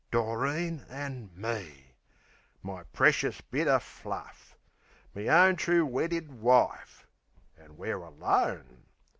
Doreen an' me! My precious bit o' fluff! Me own true weddid wife!...An' we're alone!